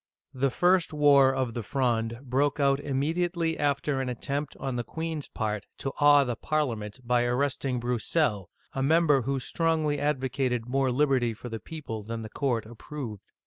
The first war of the Fronde broke out immediately after an attempt on the queen's part to awe the Parliament by arresting Broussel (broo sel'), a member who strongly advocated more liberty for the people than the court ap proved.